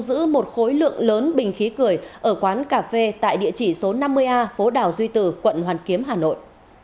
họ đã thu dựng một khối lượng lớn bình khí cười ở quán cà phê tại địa chỉ số năm mươi a phố đảo duy tử quận hoàn kiếm hà nội